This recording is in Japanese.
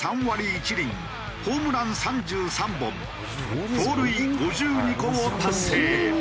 １厘ホームラン３３本盗塁５２個を達成。